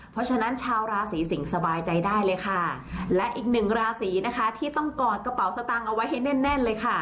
เพราะฉะนั้นชาวราศีสิงศ์สบายใจได้เลยค่ะและอีกหนึ่งราศีนะคะที่ต้องกอดกระเป๋าสตางค์เอาไว้ให้แน่นแน่นเลยค่ะ